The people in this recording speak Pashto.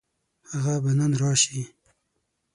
هغه به نن راشي.